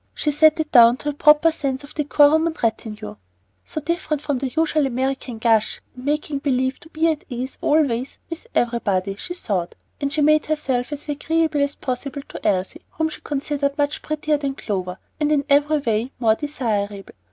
She set it down to a proper sense of decorum and retenue. "So different from the usual American gush and making believe to be at ease always with everybody," she thought; and she made herself as agreeable as possible to Elsie, whom she considered much prettier than Clover, and in every way more desirable.